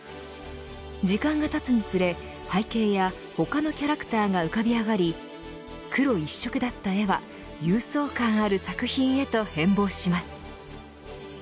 時間が経つにつれ背景や他のキャラクターが浮かび上がり黒一色だった絵は勇壮感ある作品へと変貌します。